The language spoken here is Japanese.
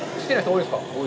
多いです。